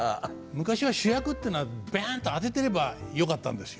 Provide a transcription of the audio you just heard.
昔は主役っていうのはビャンと当ててればよかったんですよ。